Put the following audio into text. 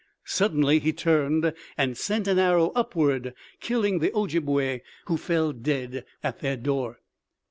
Suddenly he turned and sent an arrow upward, killing the Ojibway, who fell dead at their door.